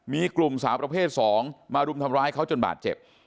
มีกลุ่มสาวประเภท๒มารุมทำร้ายเขาจนบาดเจ็บ